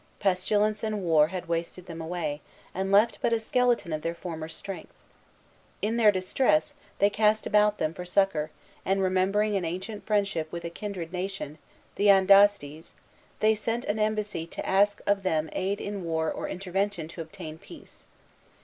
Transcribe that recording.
Pestilence and war had wasted them away, and left but a skeleton of their former strength. In their distress, they cast about them for succor, and, remembering an ancient friendship with a kindred nation, the Andastes, they sent an embassy to ask of them aid in war or intervention to obtain peace.